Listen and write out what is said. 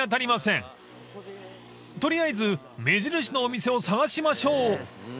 ［とりあえず目印のお店を探しましょう］